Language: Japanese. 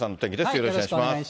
よろしくお願いします。